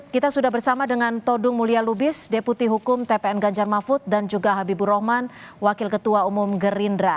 kita sudah bersama dengan todung mulia lubis deputi hukum tpn ganjar mahfud dan juga habibur rahman wakil ketua umum gerindra